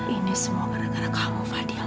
ini semua gara gara kamu fadial